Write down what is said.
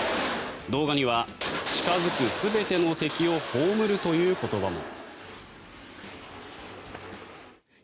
動画には、近付く全ての敵を葬るという言葉も。